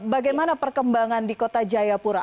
bagaimana perkembangan di kota jayapura